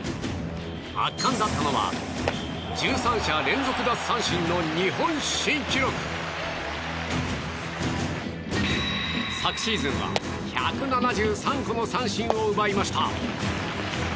圧巻だったのは１３者連続奪三振の日本新記録。昨シーズンは１７３個の三振を奪いました。